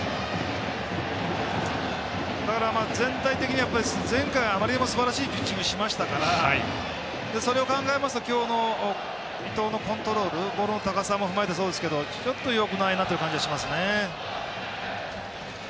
全体的に、前回あまりにもすばらしいピッチングしましたからそれを考えますと今日の伊藤のコントロールボールの高さもふまえてそうですけどちょっとよくないなという感じしますよね。